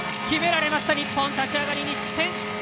決められました日本立ち上がりに失点。